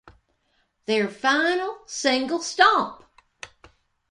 Their final single Stomp!